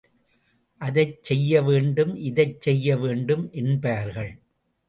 அதைச் செய்ய வேண்டும், இதைச் செய்ய வேண்டும் என்பார்கள்.